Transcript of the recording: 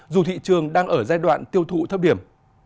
dù thị trường đang ở giai đoạn tiêu thụ thấp điểm